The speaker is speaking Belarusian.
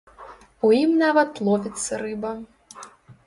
У ім нават ловіцца рыба.